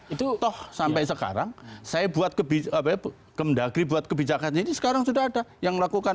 itu toh sampai sekarang saya buat kebis apa ya kemendagri buat kebijaksanaan ini sekarang sudah ada yang melakukan